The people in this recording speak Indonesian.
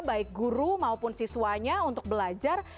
baik guru maupun siswanya untuk belajar